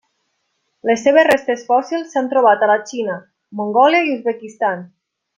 Les seves restes fòssils s'han trobat a la Xina, Mongòlia i Uzbekistan.